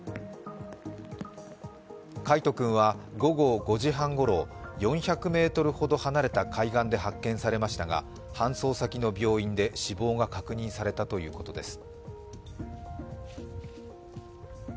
櫂斗君は、午後５時半ごろ４００ｍほど離れた海岸で発見されましたが、搬送先の病院で死亡が確認されたということです。